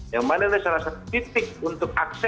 yang mana ini salah satu titik untuk aksen